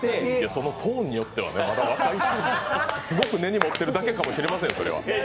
そのトーンによってはね、すごく根に持ってるだけかもしれないですよ。